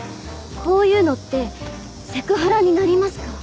こういうのってセクハラになりますか？